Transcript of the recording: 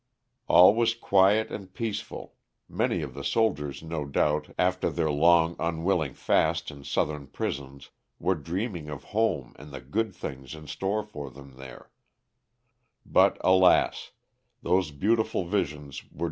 All was quiet and peaceful, many of the soldiers, no doubt, after their long, unwilling fast in southern prisons, were dreaming of home and the good things in store for them there, but alas I those beautiful visions were r.